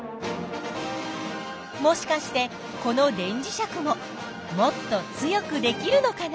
もしかしてこの電磁石ももっと強くできるのかな？